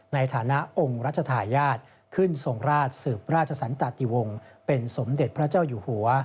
ในฐานะองค์รัชธาญาติขึ้นทรงราชสืบราชสันตาติวงศ์เป็นสมเด็จพระเจ้าอยู่หัว